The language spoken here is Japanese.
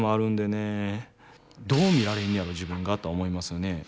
どう見られんねやろ自分がとは思いますよね。